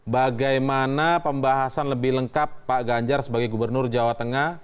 bagaimana pembahasan lebih lengkap pak ganjar sebagai gubernur jawa tengah